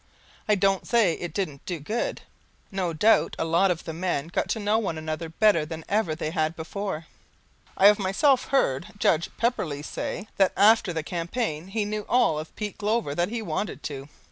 I don't say it didn't do good. No doubt a lot of the men got to know one another better than ever they had before. I have myself heard Judge Pepperleigh say that after the campaign he knew all of Pete Glover that he wanted to.